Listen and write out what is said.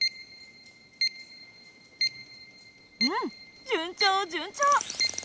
うん順調順調！